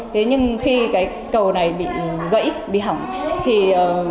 thế nhưng khi cái cầu này bị gãy bị hỏng thì cái việc đi lại